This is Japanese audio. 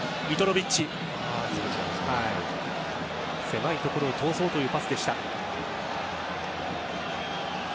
狭いところに通そうというパスでした。